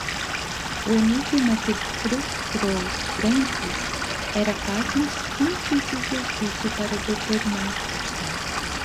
O enigma que frustrou tantos era quase um simples exercício para o dr. Masterson.